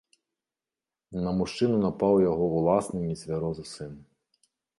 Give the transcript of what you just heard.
На мужчыну напаў яго ўласны нецвярозы сын.